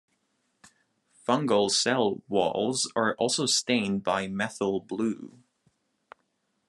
Fungal cell walls are also stained by methyl blue.